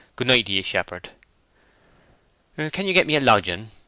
Good night to ye, shepherd." "Can you get me a lodging?"